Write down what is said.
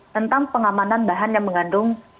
tentang pengamanan bahan yang mengandung